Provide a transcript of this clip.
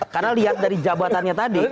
karena lihat dari jabatannya tadi